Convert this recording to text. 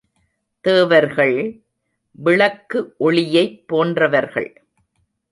தேவர்கள் விளக்கு ஒளியைப் போன்றவர்கள்.